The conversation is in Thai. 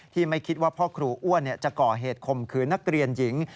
ไม่คิดว่าพ่อครูอ้วนจะก่อเหตุคมคืนนักเรียนหญิง